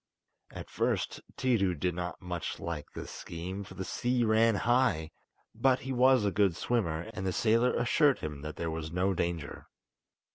At first Tiidu did not much like this scheme, for the sea ran high, but he was a good swimmer, and the sailor assured him that there was no danger.